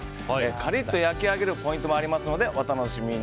カリッと焼き上げるポイントもありますのでお楽しみに。